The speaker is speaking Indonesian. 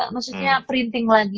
maksudnya printing land